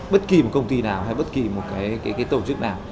bất kỳ một công ty nào hay bất kỳ một cái tổ chức nào